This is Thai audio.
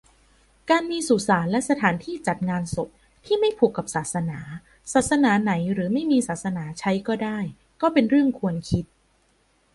การมีสุสานและสถานที่จัดงานศพ ที่ไม่ผูกกับศาสนา ศาสนาไหนหรือไม่มีศาสนาใช้ก็ได้ ก็เป็นเรื่องควรคิด